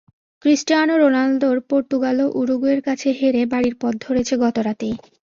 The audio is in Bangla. ক্রিস্টিয়ানো রোনালদোর পর্তুগালও উরুগুয়ের কাছে হেরে বাড়ির পথ ধরেছে গত রাতেই।